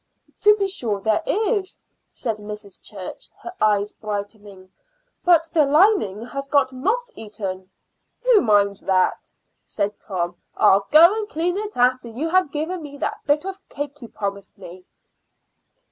"To be sure, there is," said Mrs. Church, her eyes brightening. "But the lining has got moth eaten." "Who minds that?" said Tom. "I'll go and clean it after you have given me that bit of cake you promised me."